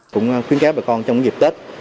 cũng khuyến khai bà con trong dịp tết